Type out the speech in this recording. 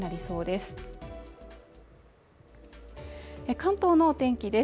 関東のお天気です